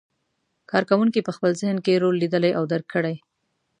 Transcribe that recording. کار کوونکي په خپل ذهن کې رول لیدلی او درک کړی.